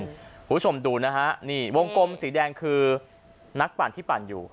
คุณผู้ชมดูนะฮะนี่วงกลมสีแดงคือนักปั่นที่ปั่นอยู่